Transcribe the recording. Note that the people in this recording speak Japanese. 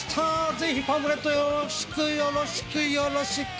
ぜひパンフレットよろしくよろしくよろしく。